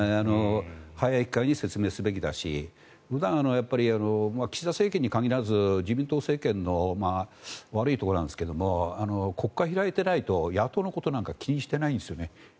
早い機会に説明すべきだし岸田政権に限らず自民党政権の悪いところなんですが国会を開いてないと野党のことなんか気にしてないんですよね。